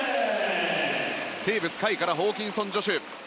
テーブス海からホーキンソン・ジョシュ。